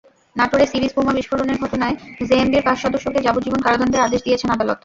নাটোরে সিরিজ বোমা বিস্ফোরণের ঘটনায় জেএমবির পাঁচ সদস্যকে যাবজ্জীবন কারাদণ্ডের আদেশে দিয়েছেন আদালত।